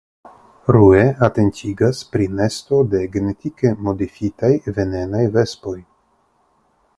Rue atentigas pri nesto de genetike modifitaj venenaj vespoj.